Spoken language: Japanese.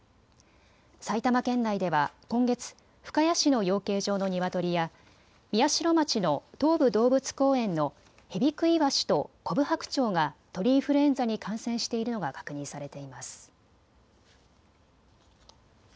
埼玉県内では今月、深谷市の養鶏場のニワトリや宮代町の東武動物公園のヘビクイワシとコブハクチョウが鳥インフルエンザに感染しているのが確認されています。